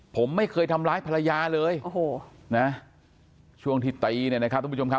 ผมไม่เคยทำร้ายภรรยาเลยโอ้โหนะช่วงที่ตีเนี่ยนะครับทุกผู้ชมครับ